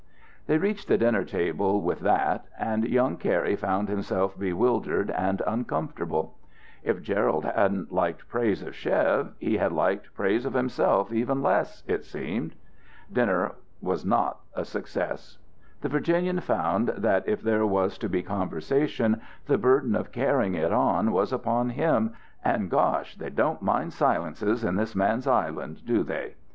They reached the dinner table with that, and young Cary found himself bewildered and uncomfortable. If Gerald hadn't liked praise of Chev, he had liked praise of himself even less, it seemed. Dinner was not a success. The Virginian found that, if there was to be conversation, the burden of carrying it on was upon him, and gosh! they don't mind silences in this man's island, do they?